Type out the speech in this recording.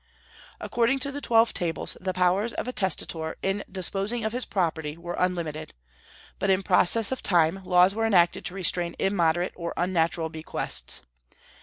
According to the Twelve Tables, the powers of a testator in disposing of his property were unlimited; but in process of time, laws were enacted to restrain immoderate or unnatural bequests.